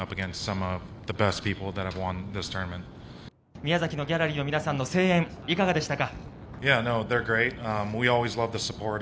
◆宮崎のギャラリーの皆さんの声援、いかがでしたか。